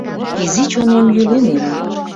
Изи чонем йӱлен ила.